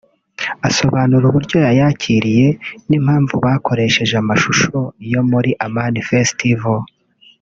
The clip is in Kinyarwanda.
Asobanura uburyo yayakiriye n’impamvu bakoresheje amashusho yo muri Amani Festival